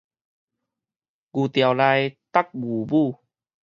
牛牢內觸牛母